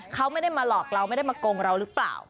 เขาไม่ได้มาหลอกเราไม่ได้มาโกงเราหรือเปล่า